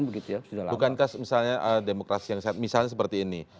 bukankah misalnya demokrasi yang misalnya seperti ini